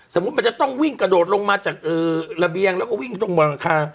สมมุติมันจะต้องวิ่งกระโดดลงมาจากระเบียงแล้วก็วิ่งตรงบนหลังคา